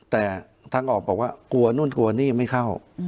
แต่ทางออกบอกว่ากลัวนู่นกลัวนี่ไม่เข้า